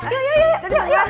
jadi udah gak apa apa